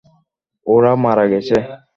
ওরা মারা গেছে!